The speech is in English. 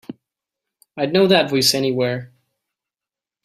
I'd know that voice anywhere.